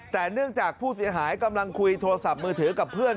แต่เนื่องจากผู้เสียหายกำลังคุยโทรศัพท์มือถือกับเพื่อน